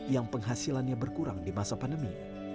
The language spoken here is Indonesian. yang penghasilannya berkurang di masa pandemi